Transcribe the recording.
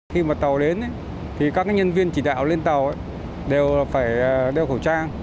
khi mà tàu đến thì các nhân viên chỉ đạo lên tàu đều phải đeo khẩu trang